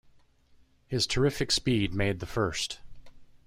His terrific speed made the first.